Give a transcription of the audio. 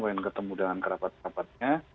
pengen ketemu dengan kerapat kerapatnya